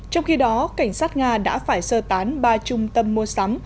trong khi đó cảnh sát nga đã phải sơ tán ba trung tâm mua sắm